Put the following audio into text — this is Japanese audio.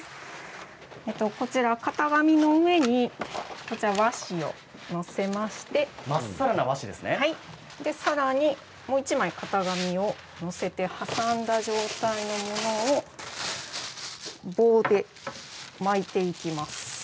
型紙の上に和紙を載せましてもう１枚、型紙を載せて挟んだ状態のものを棒で巻いていきます。